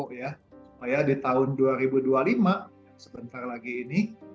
supaya di tahun dua ribu dua puluh lima sebentar lagi ini